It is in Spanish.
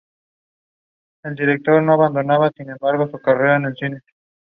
Fue miembro de la Sociedad Fructífera con el nombre de "el más delicioso".